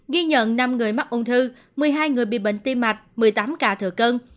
ghi nhận năm người mắc ung thư một mươi hai người bị bệnh tim mạch một mươi tám ca thừa cân